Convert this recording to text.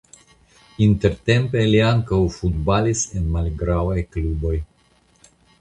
Intertempe li ankaŭ futbalis en malgravaj kluboj.